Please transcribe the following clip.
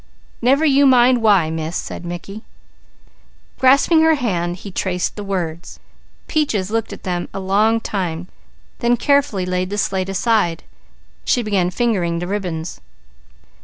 "Never you mind 'why' Miss!" said Mickey. Grasping her hand, he traced the words. Peaches looked at them a long time, then carefully laid the slate aside. She began fingering the ribbons.